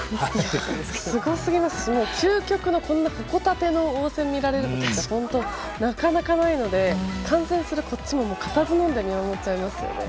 すごすぎますし究極の矛盾の応戦がみられるってなかなかないので観戦するこっちも固唾をのんで見守っちゃいますね。